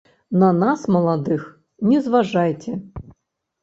На нас, маладых, не зважайце.